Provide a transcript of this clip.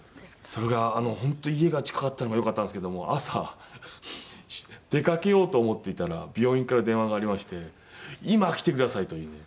それが本当家が近かったのがよかったんですけども朝出かけようと思っていたら病院から電話がありまして「今来てください」というね。